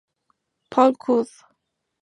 Paul Cod.